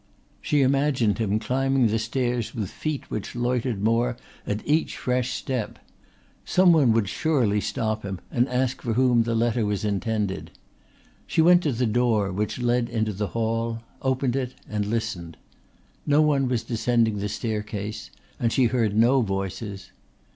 She imagined him climbing the stairs with feet which loitered more at each fresh step. Some one would surely stop him and ask for whom the letter was intended. She went to the door which led into the hall, opened it and listened. No one was descending the staircase and she heard no voices.